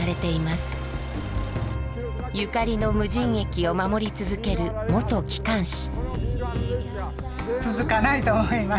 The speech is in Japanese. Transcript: ゆかりの無人駅を守り続ける元機関士。